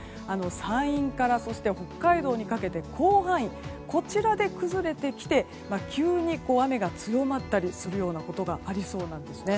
山陰から北海道にかけて広範囲こちらで崩れてきて急に雨が強まったりすることがありそうです。